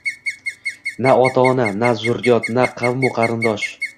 Na ota-ona, na zurriyot, na qavmu qarindosh…